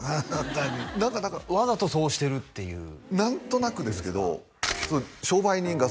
何かだからわざとそうしてるっていう何となくですけど商売人